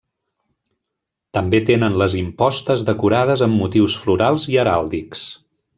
També tenen les impostes decorades amb motius florals i heràldics.